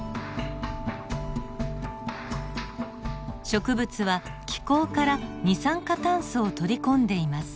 植物は気孔から二酸化炭素を取り込んでいます。